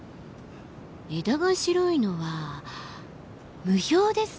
枝が白いのは霧氷ですね！